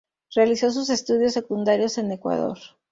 Realizó sus estudios secundarios en Ecuador.